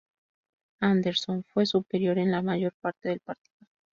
Anderson fue superior en la mayor parte del partido.